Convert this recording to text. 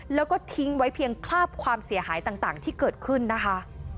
แล้วก็ทิ้งไว้เพียงคราบความเสียหายต่างที่เกิดขึ้นนะคะ